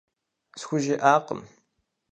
СхужеӀакъым.